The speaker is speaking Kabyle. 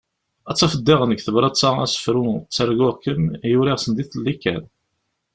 Ad tafeḍ diɣen deg tebrat-a asefru « Ttarguɣ-kem » i uriɣ sendiḍelli kan.